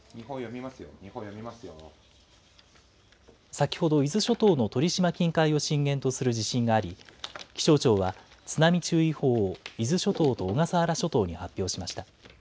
先ほど、伊豆諸島の鳥島近海を震源とする地震があり、気象庁は津波注意報を伊豆諸島と小笠原諸島に発表しました。